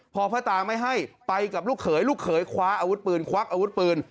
พอพ่อตาไม่ให้ไปกับลูกเขยลูกเขยคว้าอาวุธปืนควักอาวุธปืน